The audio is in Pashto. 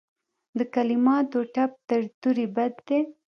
د کلماتو ټپ تر تورې بد دی.